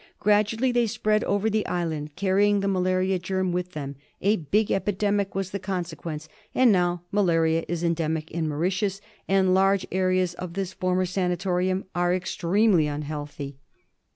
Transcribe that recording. Gradually they spread over the island, carrying the malaria germ with them. A big epidemic was the conse quence, and now malaria is endemic in Mauritius, and large areas of this former sanatorium are extremely unhealthy.